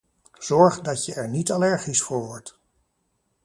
Zorg dat je er niet allergisch voor wordt.